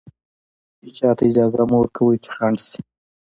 هېچا ته اجازه مه ورکوئ چې خنډ شي.